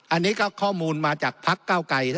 อันนี้ก็ข้อมูลมาจากพักเก้าไกร